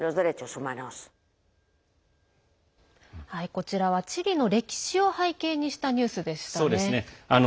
こちらはチリの歴史を背景にしたニュースでしたね。